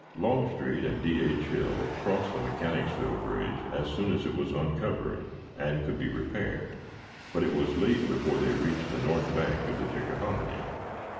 Longstreet and D. H. Hill crossed the Mechanicsville Bridge as soon as it was uncovered and could be repaired, but it was late before they reached the north bank of the Chickahominy.